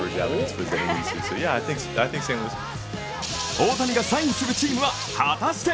大谷がサインするチームは果たして？